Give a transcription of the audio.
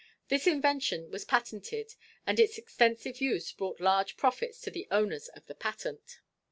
This invention was patented, and its extensive use brought large profits to the owners of the patent.